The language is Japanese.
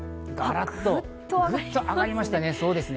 ぐっと上がりましたね。